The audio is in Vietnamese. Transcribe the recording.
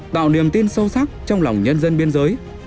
tạo niềm tin sâu sắc trong lòng nhân dân biên giới